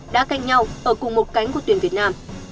đã canh nhau ở cùng một cánh của tuyển việt nam